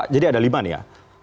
jadi ada lima nih ya